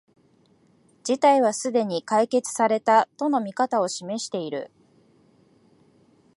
事態はすでに解決された、との見方を示している